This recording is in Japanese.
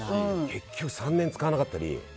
結局３年使わなかったり。